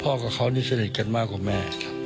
พ่อก็เค้านินเล่นกันมากกว่าแม่